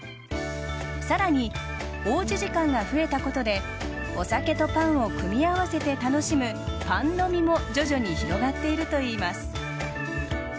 さらにおうち時間が増えたことでお酒とパンを組み合わせて楽しむパン飲みも徐々に広がっているといいます。